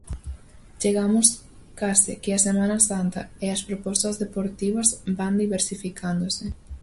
Chegamos case que a Semana Santa e as propostas deportivas van diversificándose.